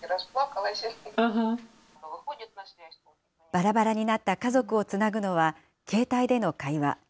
ばらばらになった家族をつなぐのは、携帯での会話。